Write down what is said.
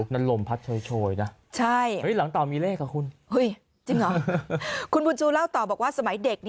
ใครตอบคุณบุญชูเล่าต่อบอกว่าสมัยเด็ก